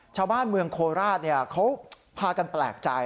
ชาวบ้านเมืองโคราชเขาพากันแปลกใจ